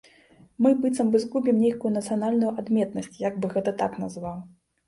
Мы быццам бы згубім нейкую нацыянальную адметнасць, я б гэта так назваў.